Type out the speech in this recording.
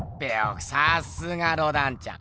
さすがロダンちゃん。